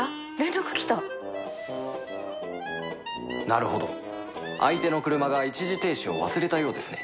なるほど相手の車が一時停止を忘れたようですね